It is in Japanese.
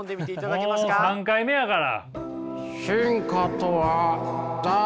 もう３回目やから。